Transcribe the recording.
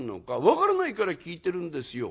「分からないから聞いてるんですよ」。